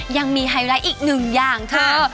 ยังมีไฮไลท์อีกหนึ่งอย่างเถอะ